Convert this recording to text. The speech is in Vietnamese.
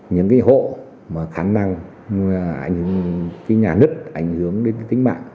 những hộ khả năng nhà nứt ảnh hưởng đến tính mạng thì phải cho di tản di chuyển kịp thời ra nơi khác để đảm bảo tính mạng